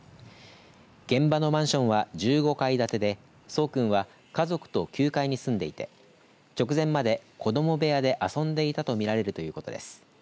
現場のマンションは１５階建てで聡くんは家族と９階に住んでいて直前まで子ども部屋で遊んでいたとみられるということです。